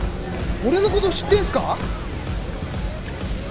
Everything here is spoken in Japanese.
俺の事知ってんすか？